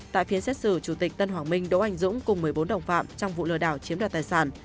tại phía xét xử chủ tịch tân hoàng minh đỗ anh dũng cùng một mươi bốn đồng phạm trong vụ lừa đảo chiếm đoạt tài sản